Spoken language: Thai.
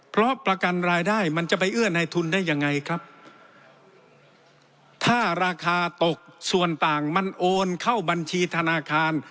เพราะประกันรายได้มันจะไปเอื้อในทุนได้ยังไงครับถ้าราคาตกส่วนต่างมันโอนเข้าบัญชีธนาคาร